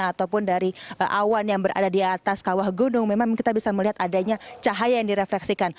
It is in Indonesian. ataupun dari awan yang berada di atas kawah gunung memang kita bisa melihat adanya cahaya yang direfleksikan